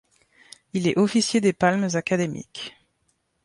Il est officier des palmes académiques.